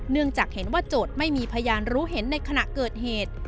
เนื่องจากเห็นว่าโจทย์ไม่มีพยานรู้เห็นในขณะเกิดเหตุ